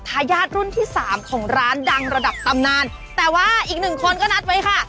ทายาทรุ่นที่สามของร้านดังระดับตำนานแต่ว่าอีกหนึ่งคนก็นัดไว้ค่ะ